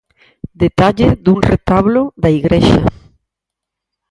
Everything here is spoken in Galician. Detalle dun retablo da igrexa.